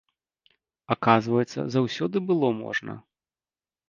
Аказваецца, заўсёды было можна!